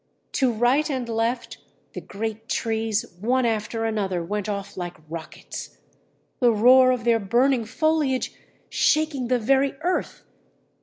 To right and left the great trees one after another went off like rockets, the roar of their burning foliage shaking the very earth.